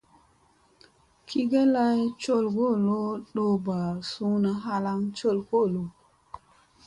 Gi ge lay col koolo, ɗowba suuna halaŋ col koolo.